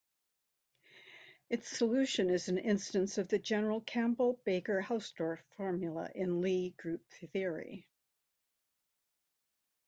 Its solution is an instance of the general Campbell-Baker-Hausdorff formula in Lie group theory.